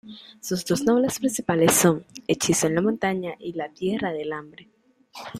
Sus dos novelas principales son "Hechizo en la montaña" y "La tierra del hambre".